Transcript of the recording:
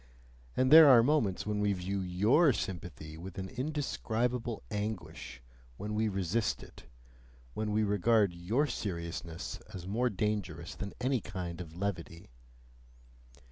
and there are moments when we view YOUR sympathy with an indescribable anguish, when we resist it, when we regard your seriousness as more dangerous than any kind of levity.